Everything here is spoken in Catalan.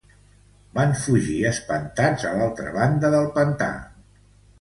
Van fugir espantats a l'altra banda del pantà.